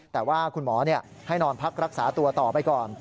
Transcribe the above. แต่ว่าคุณหมอให้นอนพักรักษาตัวต่อไปก่อน